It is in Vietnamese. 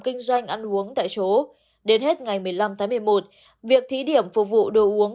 kinh doanh ăn uống tại chỗ đến hết ngày một mươi năm tháng một mươi một việc thí điểm phục vụ đồ uống